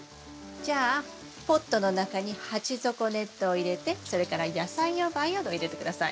じゃあポットの中に鉢底ネットを入れてそれから野菜用培養土を入れて下さい。